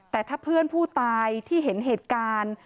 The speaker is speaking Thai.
แต่ถ้าเพื่อนผู้ตายที่เห็นเหตุการณ์